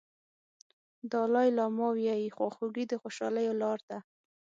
دالای لاما وایي خواخوږي د خوشالۍ لار ده.